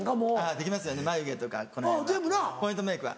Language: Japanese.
できますよね眉毛とかこの辺はポイントメークは。